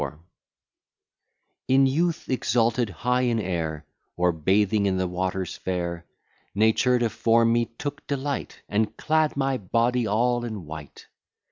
1724 In youth exalted high in air, Or bathing in the waters fair, Nature to form me took delight, And clad my body all in white.